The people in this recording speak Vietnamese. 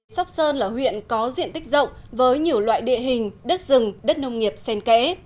sóc sơn là huyện có diện tích rộng với nhiều loại địa hình đất rừng đất nông nghiệp sen kẽ